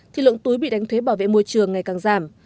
thì lượng túi bị đánh thuế bảo vệ môi trường ngày càng giảm